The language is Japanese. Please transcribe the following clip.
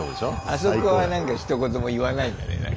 あそこはなんかひと言も言わないんだね。